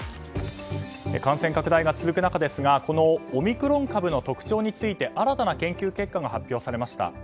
感染拡大が続く中ですがこのオミクロン株の特徴について新たな研究結果が発表されました。